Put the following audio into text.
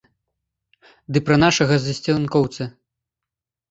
Ды пра нашага засцянкоўца.